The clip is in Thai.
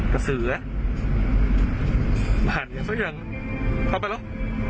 กระสืออ่ะหันอยู่ซะอย่างน่ะเข้าไปแล้ว